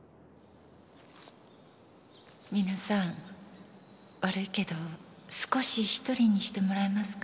美奈さん悪いけど少し一人にしてもらえますか？